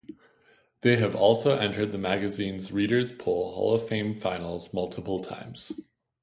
They have also entered the magazine's Readers Poll Hall of Fame finals multiple times.